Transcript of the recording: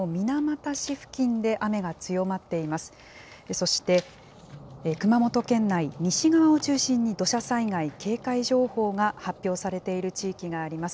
そして熊本県内、西側を中心に土砂災害警戒情報が発表されている地域があります。